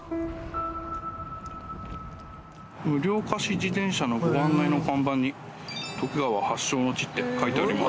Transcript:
無料貸し自転車のご案内の看板に「徳川発祥の地」って書いてあります。